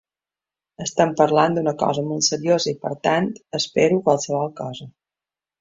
Estem parlant d’una cosa molt seriosa i per tant m’espero qualsevol cosa.